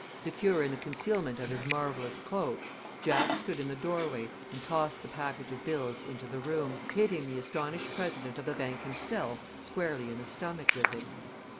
Secure in the concealment of his marvellous cloak, Jack stood in the doorway and tossed the package of bills into the room, hitting the astonished president of the bank himself squarely in the stomach with it.